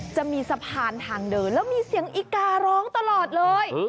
จะมีสะพานทางเดินแล้วมีเสียงอีการ้องตลอดเลย